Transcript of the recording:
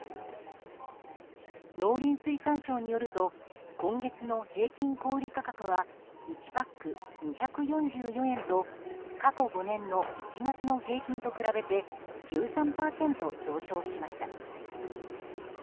農林水産省によると今月の平均小売価格は１パック２４４円と過去５年の１月の平均と比べて１３％上昇しました。